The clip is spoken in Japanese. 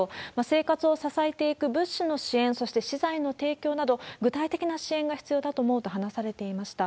生活を支えていく物資の支援、そして資材の提供など、具体的な支援が必要だと思うと話されていました。